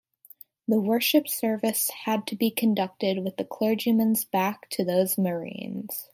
The worship service had to be conducted with the clergyman's back to those Marines.